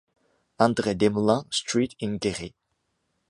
André Desmoulins street in Guéret